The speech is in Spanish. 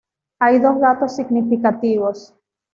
Hay dos datos significativos.